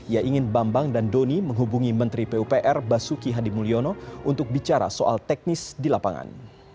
ia ingin bambang dan doni menghubungi menteri pupr basuki hadimulyono untuk bicara soal teknis di lapangan